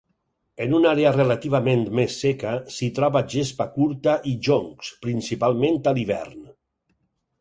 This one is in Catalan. En una àrea relativament més seca s'hi troba gespa curta i joncs, principalment a l'hivern.